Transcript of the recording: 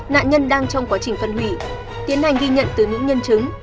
nạn nhân đang trong quá trình phân hủy tiến hành ghi nhận từ những nhân chứng